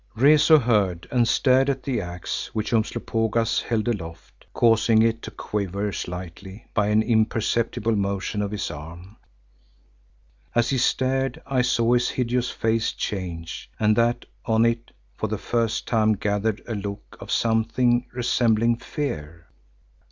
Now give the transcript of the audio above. Rezu heard, and stared at the axe which Umslopogaas held aloft, causing it to quiver slightly by an imperceptible motion of his arm. As he stared I saw his hideous face change, and that on it for the first time gathered a look of something resembling fear.